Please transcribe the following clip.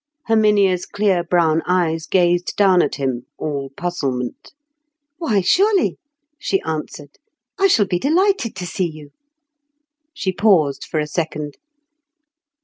Herminia's clear brown eyes gazed down at him, all puzzlement. "Why, surely," she answered; "I shall be delighted to see you!" She paused for a second.